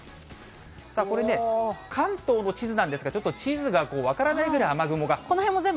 これね、関東の地図なんですが、地図が分からないぐらい雨雲が。